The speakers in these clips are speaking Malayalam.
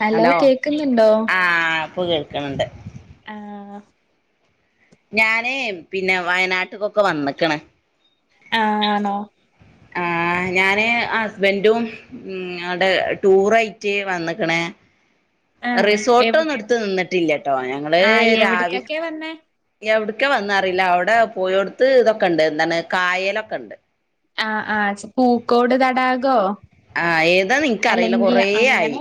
ഹലോ കേക്കുന്നുണ്ടോ ഇപ്പ് കേൾക്കുന്നുണ്ട് ആ ഞാനേ പിന്നെ വയനാട്ടക്കൊക്കെ വന്നിക്കണ് ആ ആണോ ആ ഞാന് ഹസ്ബൻറും ഉ അവിടെ ടൂറ ആയിട്ട് വന്നിക്കണ് റിസോർട്ടോന്ന് എടുത്ത് നിന്നിട്ട് ട്ടില്ല കേട്ടോ ഞങ്ങള് രവില അവിടു ക്കെ വന്നാറിയില്ല അവിടെ പോയടുത്ത് ഇതൊക്കെ ഉണ്ട് എന്താണ് കായലൊക്കെ ഉണ്ട് ആ ആ് പൂക്കോട് തടാകോ ആയത് അതാ നിനക്ക്റിയില്ല കൊറേ ആയി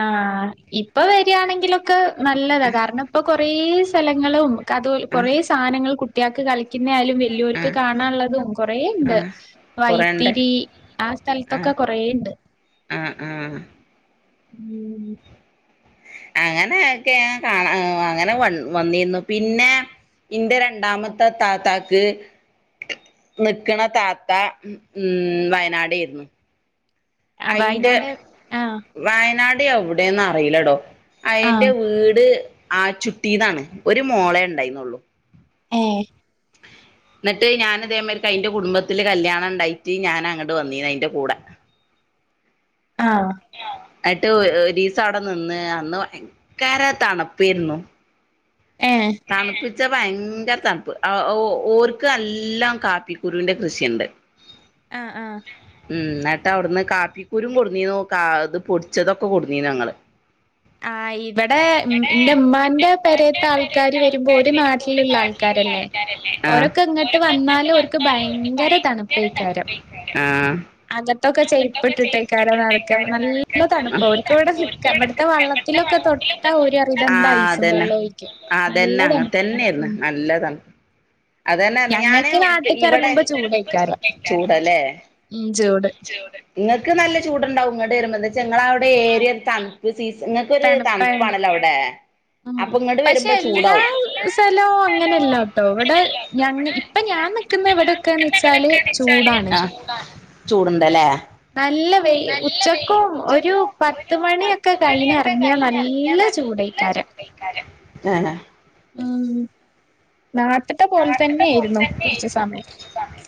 ആ ഇപ്പൊ വരിയാണെങ്കിലൊക്കെ നല്ലതാ കാരണം ഇപ്പൊ കൊറേ സ്ഥലങ്ങളും അത് കുറേ സാധനങ്ങൾ കുട്ട യാക്ക് കളിക്ക പി ആലും വലിയൂർക്ക് കാണാനുള്ളതും കൊറേ ഉണ്ട് വൈത്തിരി ആ സ്ഥലത്തൊക്കെ കൊറേ ഉണ്ട് ഉം അങ്ങനെ ഒക്കെ കാ അങ്ങനെ വ വന്നിരുന്നു പിന്നെ ഇറെ രണ്ടാമത്തെ താത്താക്ക് നക്കണ താത്ത ഉം വയനാട് ആരുന്നു അയിന്റെ വയനാട് അ അവിടെന്ന് അറിയില്ലെടോ അയിറെ വീട് ആ ചുട്ടിയതാണ് ഒരു മോളെ ഉണ്ടായിന്നള്ളു ഏ എന്നിട്ട് ഞാന അതദേമാേർക്ക് അതിന്റെ കുടുംബത്തില് കല്യാണം ഉണ്ടായിട്ട് ഞാൻ അങ്ങോട്ട് വന്നീന്ന് അതിന്റെ കൂടെ ആഹ ആയിട്ട് ഒരുരീസ അവിടെ നിന്ന് അന്ന് ഭയങ്കര തണുപ്പരുന്നു തനുക്ക് ച്ച ഭയങ്കര തണുപ്പ് ഓര്ക്കും എല്ലാം കാപ്പിിക്കുരുവിന്റെ കൃഷിയണ്ട് ആഹ ആഹ ഉം എന്നിട്ട് അവിടുന്ന് കാപ്പിക്കൂരും കുടുന്നീ നു കാ അത് പൊടിച്ചതൊക്കെ കൊടുന്നീ ഞങ്ങള് ആ ഇവിടെ എന്റെ ഉമ്മാന്റെ പരയത്തെ. ആൾക്കാർ വരും ആ ഒരു നാട്ടിലുള്ള ആൾക്കാരല്ലേ ഓരൊക്കെ എങ്ങോട്ട് വന്നാലും ഭയങ്കര തണുപ്പക്ക അകത്തൊക്കെ ചെരിപ്പ് ഇട്ടിട്ട് നടക്ക നല്ല തണുപ്പ് മ വെള്ളത്തിലൊക്കെ തൊട്ടാ ഒരു സും വെള്ളം ഒഴിക്കും അതന്നെ അങ്ങന തന്നെയായിരുന്നു നല്ലത [inaudible] അത് തന്നെന്ന ഞാന് ഇവിടെ ചൂടല്ലേ ചൂട് നിങ്ങൾക്ക് നല്ല ചൂടു ഉണ്ടാവുംങ്ങട്ട് വരുമ്പ ഞങ്ങള അവിടെ ഏറിയ ഒരു തണുപ്പ് സീസ നിങ്ങൾക്കൊരു തണുപ്പാണല്ലോ അവിടെ അപ്പൊ ഇങ്ങോട്ട് വരുമ്പോ ചൂടാവും ഇവിടെ ഞ ഇപ്പൊ ഞാൻ നിക്കുന്ന ഇവിടെൊക്കന്ന് വെച്ചാല് ചൂടാണ് ചൂടുണ്ടല്ലേ നല്ല വ ഉച്ചക്കും ഒരു പത്ത മണിയൊക്കെ കൈന ഇറങ്ങിയാ നല്ല ചൂടേക്കാരം ആഹ ആഹ നാട്ടത്തെ പോലെ തന്നെ ആായി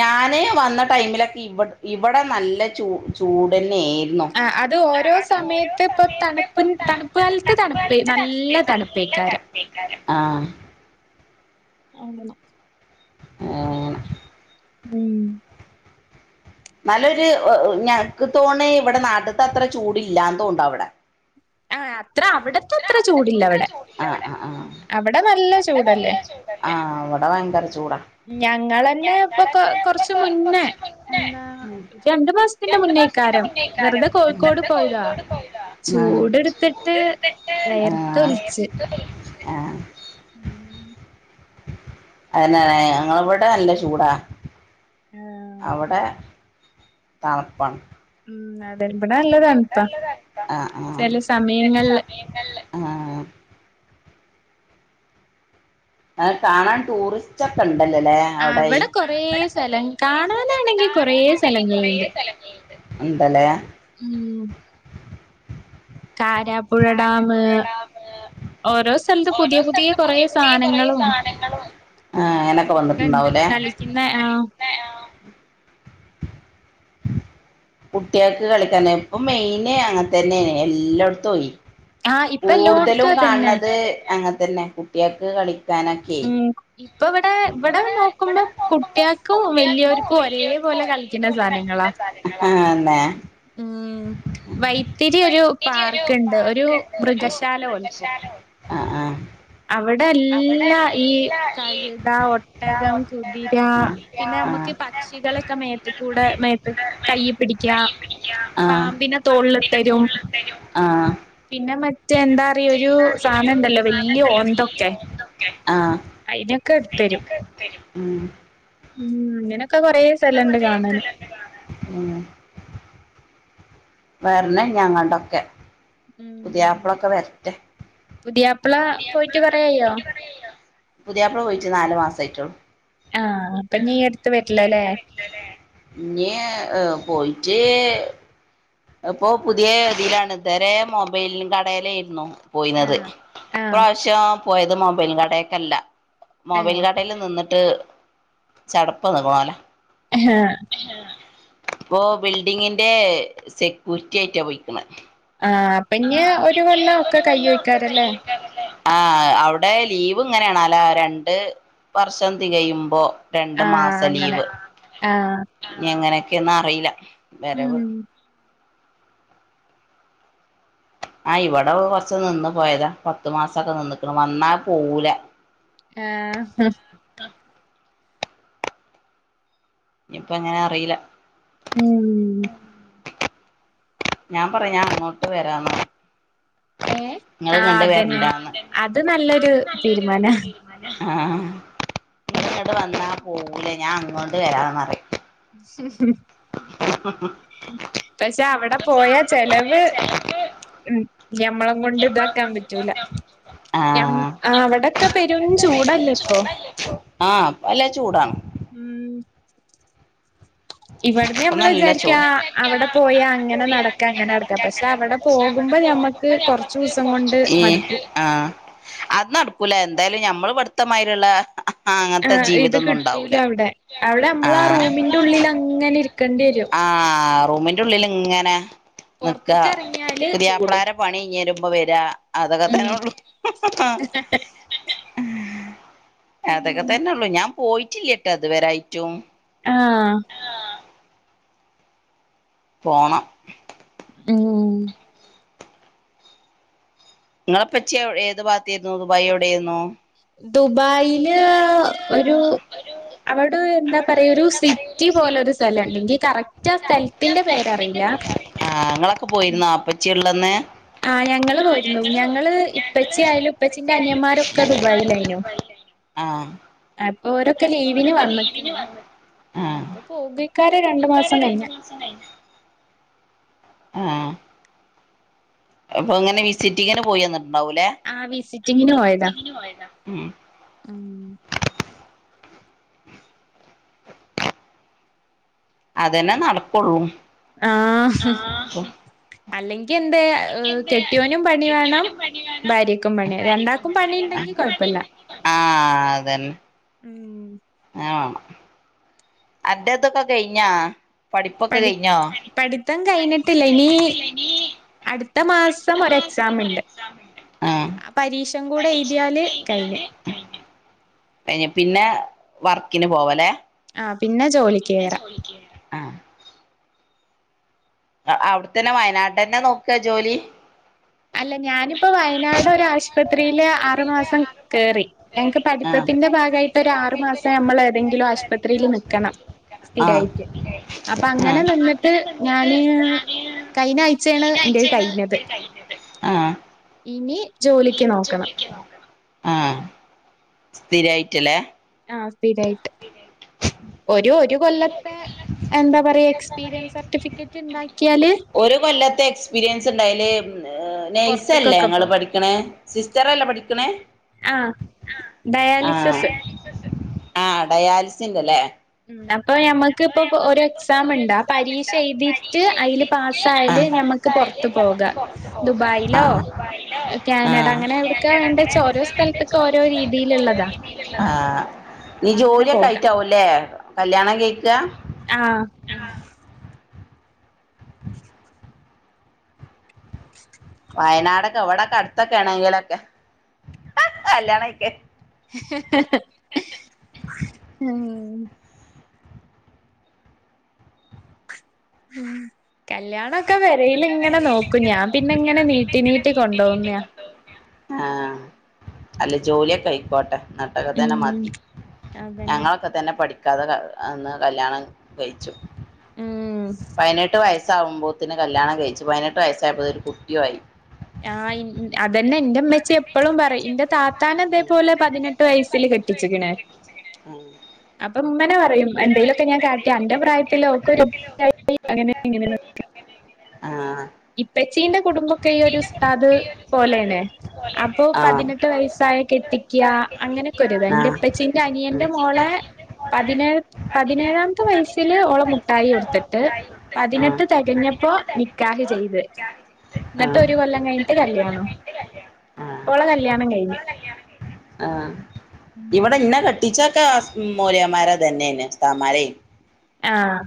ഞാനേ വന്ന ടൈമിലൊക്കെ ഇ ഇവിടെ നല്ല ചൂ ചൂടിന് ആ അത് ഓരോ സമയത്ത് ഇപ്പൊ തണുപ്പിന് തണുപ്പ് കാലത്ത് തണുപ്പേ നല്ല തണുപ്പേക്കാര അതല്ലെ ആ ഉം നല്ലൊരു ഞക്ക് തോണ ഇവിടെ നാട്ടത്ത് അത്ര ചൂടല്ലാ തോണ്ടോ അവിടെ ആ അത്ര അവിടത്തെ അത്ര ചൂടല്ല അവിടെ അവിടെ നല്ല ചൂടല്ലേ ഞങ്ങന്നെ ഇപ്പൊ കൊറച്ച മുന്നേ എന്താ രണ്ടു മാസത്തിന്റെ മുന്നേ ഇക്കാര്യം വെറുതെ കോഴിക്കോട് പോയതാ ചൂട് എടുത്തിട്ട് വിയർത്ത് ഒലിച്ചിട്ട് ആഹ്. ഉ [unintelligible] അത ഞങ്ങ ഇവിടെ അല്ല ചൂടാ തണപ്പാണ്. ഉം അ [inaudible] അ ഇവിടെ നല്ലതണ ഇപ്പ ചില സമയങ്ങളില് ആഹ് അത് കാണാൻ ടൂറിസ്റ്റ് ഒക്കെ ഉ ആഹ് അവിടെ കൊറേ സ്ഥലം കാണാനാണെങ്കിൽ കൊറ സ്ഥലങ്ങളുണ്ട്. ഉണ്ടലെ ഉം കാരാപ്പുഴ ഡാാംമ ഓരോ സ്ഥലത്ത് പുതിയ പുതിയ കുറേ സാധനങ്ങളും ഒക്കെ ഉണ്ട് കളിക്കുന്ന ആഹ് കുട്ടികൾക്ക് കളിക്കൻ ഇപ്പൊ മെയിനെ അങ്ങനത്ത തന്നെയ എല്ലായിടത്ത ആയി. കൂടുതലും കാണത് അങ്ങ അ തന്നെ കുട്ടികൾക്ക് കളി ഉം ഇപ്പൊ ഇവിടെ ഇവിടെ നോക്കുമ്പോ കുട്ടികൾക്കും വലിയോർക്കും ഒരേ പോലെ കളിക്കുന്ന സാധങ്ങളാ ഉ വൈത്തിരി ഒരു പാർക്ക് ഉണ്ട് ഒരു മൃഗശാല പോലത്തെ. ആഹ ആ. അവിടെല്ല ഈ കഴുത ഒട്ടകം കുതിര പിന്നെ നമ്മക്ക് പക്ഷികളൊക്കെ മേത്ത് കൂടെ മേത്ത് കയിപിടിക്കാം പാമ്പിന തോളിൽ ഇട്ടുതരും പിന്നെ മറ്റേ എന്താ അറിയു ഒരു സാധനുണ്ടല്ലോ വ ഒന്തൊക്കെ അയിതിനൊക്കെ എടുത്തരും. ഉം ഇങ്ങനെ ഓ ഇങ്ങനത്തെ കുറെസ്ഥലം ഉണ്ട് കാണാൻ. വേരണം ഇഞ് അങ്ങണ്ടൊക്കെ. പുതിയാപ്പളൊക്കെ വരട്ടെ പുതിയാപ്പള പോയിട്ട് നാലു മാസ ആയിട്ടള്ളൂ ആ ഇഞ് അടുത്ത് വരിലല്ലേ ഇഞ് പോയിട്ട് ഇപ്പൊ പുതിയ രതിയിലാണ് ഇതുവരെ മൊബൈലും കടലായിരുന്നു. പോയിന്നത് ഇപ്രാവശ്യം. പോയത് മൊബൈൽ കടക്കെല്ല മൊബൈൽ കടയിൽ നിന്നിട്ട് ചടപ്പൊന്ന് ഉള്ളത് പോലെ ഹ ഹ. ഇപ്പോ ബിൽഡിങ്ങിന്റെ സെക്യൂരിറ്റി ആയിട്ടാ പോയിക്ണ്. ആ അവടെ ലീവ് ഇങ്ങനെയണ് ആരണ്ട് വർഷം തികയുമ്പോ രണ്ട്മാസം ലീവ് എങ്ങനെ എന്നാ അറിയില്ല ഉം ആ ഇവടെ കൊറച്ച നിന്ന് പോയതാ പത്തു മാസൊക്കെ നിന്നിക്ക്ണു വന്നാ പോവുലാ ആ ഇനിപ്പങ്ങനെ അറിയില്ല ഞാൻ പറയ ഞാൻ അങ്ങോട്ട് വരാന്ന് ഏ ആ അതന്നെ അത് നല്ലൊരു തീരുമാനാ ആ ങ്ങോട്ട് വന്നാ പോവൂല ഞാൻ അങ്ങോണ്ട് വരാന്നറയും ഹും ഹും പക്ഷെ അവടെ പോയ ചെലവ് ഞമ്മളേം കൊണ്ട് ഇതാക്കാൻ പറ്റൂല ഞമ് അവിടൊക്കെ പെരും ചൂടല്ലേ ഇപ്പൊ ആപ്പൊ നല്ല ചൂടാണ് ഉം ഇവടന്ന് ഞമ്മൾ വിചാരിക്കാ അവിടെ പോയാ അങ്ങനെ നടക്കാ ഇങ്ങനെടക്കാ പക്ഷെ അവടെ പോകുമ്പോ ഞമ്മക്ക് കൊറച്ചൂസം കൊണ്ട് മടുക്കും മ്മള് മടുത്തമായിരള്ളാ ആ ഇത് കിട്ടൂലവ്ടെ അവിടെ നമ്മൾ ആ റൂമിന്റുള്ളിലങ് ങ്ങനിരിക്കേണ്ടി വരും റൂമിന്റുള്ളില് ങ്ങനെ നിക്ക പുതിയപ്പളാര പണിഞ്ഞ്വരുമ്പോ വരാ അതൊക്കെ തന്നൊള്ളു അതൊക്കെ തന്നൊള്ളു ഞാൻ പോയിട്ടില്ല്യാ ട്ടോ ഇതുവരായിട്ടും ആ പോണം ഉം ങ്ങളെപ്പച്ചി എവ് ഏത് ഭാത്തെയ്ന്നു ദുബായ് എവടേയ്ന്നു ദുബായില് ഒരു അവ്ടെ ന്താ പറയാ ഒരു സിറ്റി പോലൊരു സ്ഥല ണ്ടിക്കി കറക്റ്റ് ആ സ്ഥലത്തിന്റെ പേര് അറിയില്ല തന്നെ ആ ഞങ്ങള് പോരുന്നു ഞങ്ങള് ഇപ്പച്ചി ആയാലും പ്പച്ചിന്റെ അനിയമ്മാരൊക്കെ ദുബായിലായിനു അപ്പൊ ഓരൊക്കെ ലീവിന് വന്ന് പോകൊയ്ക്കാരം രണ്ടു മാസം കയ്ഞ്ഞാ അ ആ അപ്പൊങ്ങനെ വിസിറ്റിങ്ങിന് പോയി വന്ന് ആ വിസിറ്റിങ്ങിന് പോയതാ അതന്നെ നടക്കൊള്ളൂ ആ അല്ലെങ്കി എന്തേ കെട്ടിയോനും പണി വേണം ഭാര്യക്കും പണി രണ്ടാക്കും പണി ണ്ടെങ്കി കൊഴപ്പില്ല ആ അതന്നെ ഉം വേ അന്റെതൊക്കെ കഴിഞ്ഞാ പഠി പഠിത്തം കഴിഞ്ഞിട്ടില്ല ഇനി അടു ത്ത മാസം ഒര് എക്സാം ഉണ്ട് ആ പരീക്ഷയും കൂടെ എഴുതിയാല് കഴിഞ്ഞ് പിന്നെ വർക്കിന് പോവല്ലേ പിന്നെ ജോലിക്ക് കേറാം അവിടെത്തന്നെ വയനാട് തന്നെ നോക്കാ ജോലി അല്ല ഞാനിപ്പോ വയനാട് ഒരു ആശുപത്രിയില് ആറു മാസം കേറി ഞങ്ങക്ക് പഠിത്തത്തിന്റെ ഭാഗമായിട്ട് ഒരു ആറു മാസം നമ്മൾ ഏതെങ്കിലും ആശുപത്രിൽ നിക്കണം സ്ഥിരായിട്ട് അപ്പൊ അങ്ങനെ നിന്നിട്ട് ഞാന് കഴിഞ്ഞ ആഴ്ചയാണ് എന്റെ കഴിഞ്ഞത് ആ ആഹ സ്ഥിരയിട്ടല്ലേ ആഹൈറ്റ് ഒരു ഒരു കൊല്ലത്തെ എന്താ പറയാ എക്സ്പീരിയൻസ് സർട്ടിഫിക്കറ്റ് ഉണ്ടാക്കിയാല് നഴ്സല്ലേ ഞങ്ങള് പഠിക്കണേ സിസ്റ്ററല്ലേ പഠിക്കണേ ആഹ ആ ഡയാലിസിറ അല്ലേ അപ്പ ക്ക് എക്സാംണ്ട പരീതിട്ട അക്ക്റ പോ നീ ജോലിയൊക്കെ ആയിട്ടാവല്ലേ കല്യാണം കേക്കുക വയനാടൊക്കെ എവിടൊക്കെ അടുത്തൊക്കെ ആണെങ്കിലൊക്കെ കല്യാണക്ക് ഉം ഉ കല്യാണ െ വരൽ ഇങ്ങനെ നോക്കും ഞാൻ പിന്നെ ഇങ്ങനെ നീട്ടി നീട്ടി കൊ ഉണ്ടോന്നിയ ആഹ അല്ല ജോലിയൊക്കെ ആയിക്കോട്ടെ നട്ടൊക്കെ തന്നെ മാറ്റ ഞങ്ങളൊക്കെ തന്നെ പഠിിക്കും കഥ അന്ന് കല്യാണം കഴിച്ചു പതിനെട്ട് വയസ്സ് വയസ ആുമ്പോത്തിന് കല്യാണം കഴിച്ചു പതിനെട്ട് വയസ്സായപ്പോോൾ ഒരു കുട്ടിയ ആയി ആഹ അതെ എന്ന എമ്മച്ച എപ്പഴും പറയും എന്റെ താത്താന അതേപോലെ പതിനെട്ട് വയസിൽ കെട്ടിച്ചണ അങ്ങനെ പറയും എന്തെലൊക്കെ ഞാൻ കാട്ട എന്റെ പ്രായം അന ആഹ് പ്പെച്ചീന്റെ കുടുംബൊക്കെ ഈ ഒരു സ്താദ് പോലെണ്. അപ്പോ പതിനെട്ട് വയസ്സായ കെട്ടി ക്ക്യാ അങ്ങനെ ക്കൊരുതാ ഇന്റെപ്പച്ചീന്റെ അനിയന്റെ മോളെ പതിനേഴ് പതിനേഴാമത്തെ വയസ്സില് ഓള മുട്ടായി കൊടുത്തിട്ട് പതിനെട്ട് തെകഞ്ഞപ്പോ നിക്കാഹ് ചെയ്ത് ഇന്നട്ടൊ റ്റ കൊല്ലം കഴിഞ്ഞിട്ട് കല്യാണം. ഓള കല്യാണം കഴിഞ്ഞ്. ഇവടെ ഇന്നെ കെട്ടിച്ച ക്ക സ് മോല്യേമാരെ ഇതന്നേണ്. ഉസ്താദ്മാരെ ആഹ്